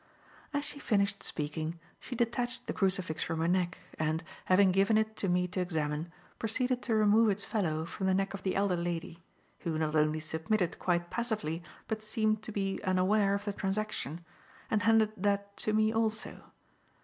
As she finished speaking, she detached the crucifix from her neck and, having given it to me to examine, proceeded to remove its fellow from the neck of the elder lady who not only submitted quite passively but seemed to be unaware of the transaction and handed that to me also.